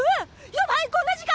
やばいこんな時間！